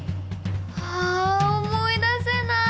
あ思い出せない！